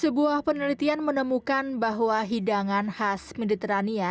sebuah penelitian menemukan bahwa hidangan khas mediterania